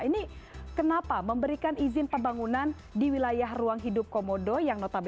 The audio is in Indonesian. ini kenapa memberikan izin pembangunan di wilayah ruang hidup komodo yang notabene